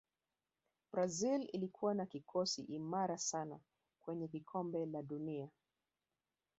brazil ilikuwa na kikosi imara sana kwenye kombe la dunia